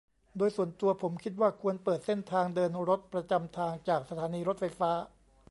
โดยส่วนตัวผมคิดว่าควรเปิดเส้นทางเดินรถประจำทางจากสถานีรถไฟฟ้า